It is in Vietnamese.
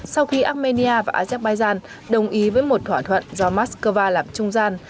sau khi armenia và azerbaijan đồng ý với một thỏa thuận do moscow làm trung gian